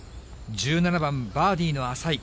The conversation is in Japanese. １７番バーディーの淺井。